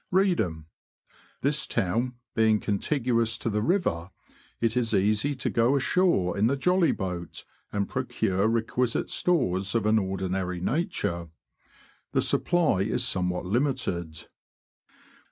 Reedham. — This town being contiguous to the river, it is easy to go ashore in the jolly boat, and procure requisite stores of an ordinary nature. The supply is somewhat limited.